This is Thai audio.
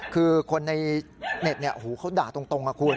คือคนในเน็ตเนี่ยโอ้โหเขาด่าตรงนะคุณ